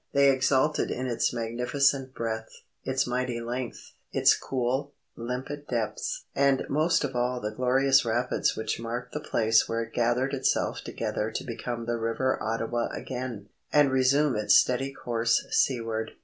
They exulted in its magnificent breadth, its mighty length, its cool, limpid depths, and most of all the glorious rapids which marked the place where it gathered itself together to become the River Ottawa again, and resume its steady course seaward.